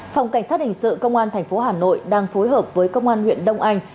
phòng cảnh sát hình sự công an tp hà nội đang phối hợp với công an huyện đông anh